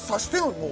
もう。